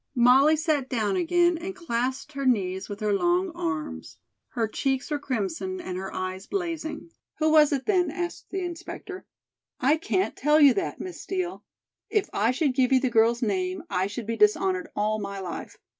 Molly sat down again and clasped her knees with her long arms. Her cheeks were crimson and her eyes blazing. "Who was it, then?" asked the inspector. "I can't tell you that, Miss Steel. If I should give you the girl's name I should be dishonored all my life.